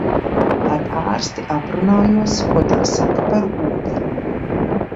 Ar ārsti aprunājos, ko tā saka par ūdeni.